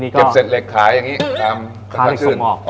เก็บเสร็จเหล็กขายอย่างนี้ค้าเหล็กส่งออก